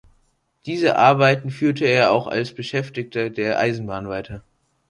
Diese Arbeiten führte er auch als Beschäftigter der Eisenbahn weiter.